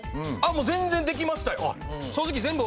もう全然できましたよ。